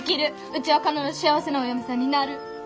うちは必ず幸せなお嫁さんになる！